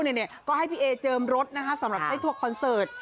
เนี่ยเนี่ยก็ให้พี่เอเจิมรถนะคะสำหรับให้ทวบคอนเซิร์ท